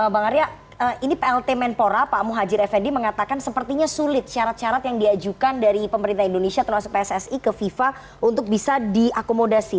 bang arya ini plt menpora pak muhajir effendi mengatakan sepertinya sulit syarat syarat yang diajukan dari pemerintah indonesia termasuk pssi ke fifa untuk bisa diakomodasi